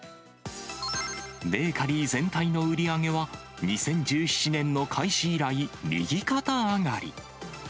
ベーカリー全体の売り上げは、２０１７年の開始以来、右肩上がり。